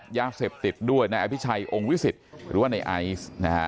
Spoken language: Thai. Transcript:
ยาเสพติดด้วยนายอภิชัยองค์วิสิตหรือว่าในไอซ์นะฮะ